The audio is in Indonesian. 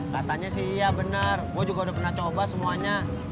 katanya sih iya benar gue juga udah pernah coba semuanya